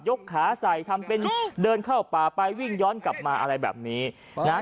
กขาใส่ทำเป็นเดินเข้าป่าไปวิ่งย้อนกลับมาอะไรแบบนี้นะฮะ